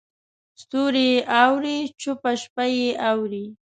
ستوري یې اوري چوپه شپه یې اوري